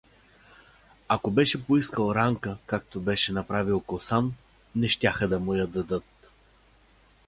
Ако беше поискал Ранка, както беше направил Косан, не щяха да му я дадат.